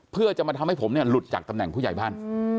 เพื่อจะมาทำให้ผมเนี่ยหลุดจากตำแหน่งผู้ใหญ่บ้าน